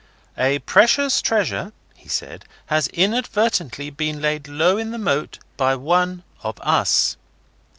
'A precious treasure,' he said, 'has inadvertently been laid low in the moat by one of us.